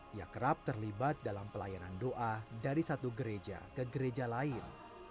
dia kerap terlibat dalam pelayanan doa dari satu gereja ke gereja lain